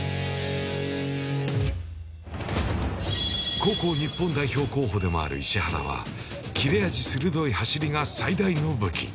高校日本代表候補でもある石原は切れ味鋭い走りが最大の武器。